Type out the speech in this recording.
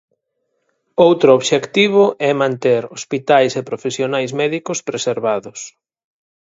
Outro obxectivo é manter hospitais e profesionais médicos preservados.